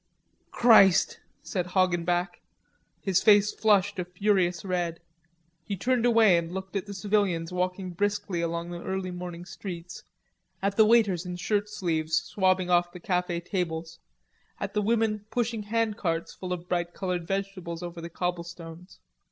"Christ!" said Hoggenback. His face flushed a furious red. He turned away and looked at the civilians walking briskly along the early morning streets, at the waiters in shirt sleeves swabbing off the cafe tables, at the women pushing handcarts full of bright colored vegetables over the cobblestones.